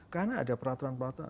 karena ada peraturan peraturan